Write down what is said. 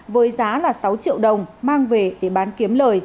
với giá là sáu triệu đồng mang về để bán kiếm lời